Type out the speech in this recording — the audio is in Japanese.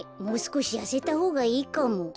もうすこしやせたほうがいいかも。